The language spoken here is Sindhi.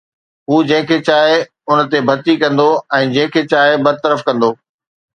هو جنهن کي چاهي ان تي ڀرتي ڪندو ۽ جنهن کي چاهي برطرف ڪندو